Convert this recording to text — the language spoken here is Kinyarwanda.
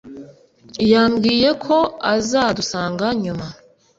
yambwiye ko azadusanga nyuma